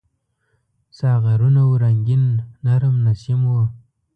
ساغرونه وو رنګین ، نرم نسیم و